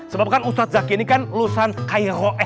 sebab kan ustaz zaki ini kan lulusan cairo